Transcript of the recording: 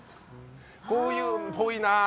こういうの、ぽいな。